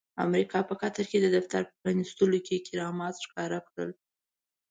امريکا په قطر کې د دفتر په پرانستلو کې کرامات ښکاره کړل.